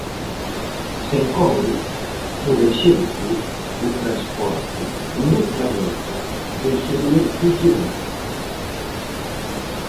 Sen cobre, por exemplo, o transporte no planeta deixaría de funcionar.